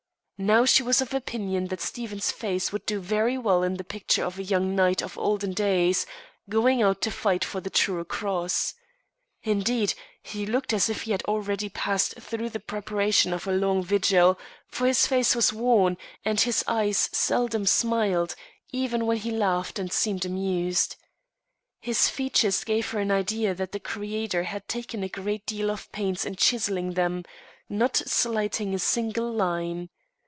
Now she was of opinion that Stephen's face would do very well in the picture of a young knight of olden days, going out to fight for the True Cross. Indeed, he looked as if he had already passed through the preparation of a long vigil, for his face was worn, and his eyes seldom smiled even when he laughed and seemed amused. His features gave her an idea that the Creator had taken a great deal of pains in chiselling them, not slighting a single line.